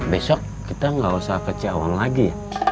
besok kita gak usah kece awal lagi